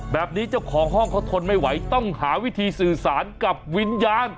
แบบนี้เจ้าของห้องเขาทนไม่ไหวต้องหาวิธีสื่อสารกับวิญญาณ